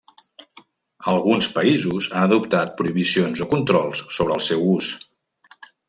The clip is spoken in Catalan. Alguns països han adoptat prohibicions o controls sobre el seu ús.